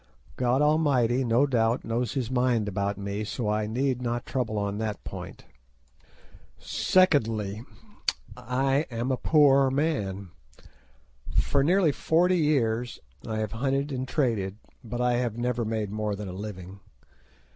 God Almighty, no doubt, knows His mind about me, so I need not trouble on that point. Secondly, I am a poor man. For nearly forty years I have hunted and traded, but I have never made more than a living.